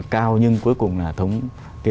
cao nhưng cuối cùng là thông kê